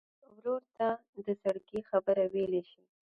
ورور ته د زړګي خبره ویلی شې.